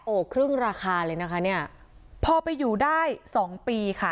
โอ้โหครึ่งราคาเลยนะคะเนี่ยพอไปอยู่ได้สองปีค่ะ